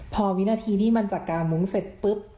พอวินาทีที่มันจากกามุ้งเสร็จปุ๊บ